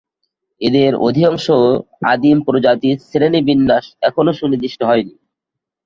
এদের অধিকাংশ আদিম প্রজাতির শ্রেণীবিন্যাস এখনও সুনির্দিষ্ট হয়নি।